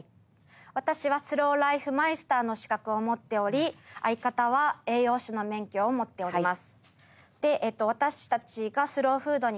私はスローライフマイスターの資格を持っており相方は栄養士の免許を持っております。